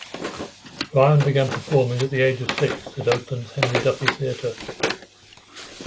Ryan began performing at the age of six at Oakland's Henry Duffy Theatre.